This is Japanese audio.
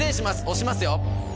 押しますよ。